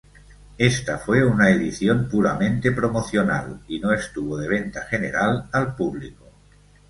Ésta fue una edición puramente promocional, y no estuvo de venta general al público.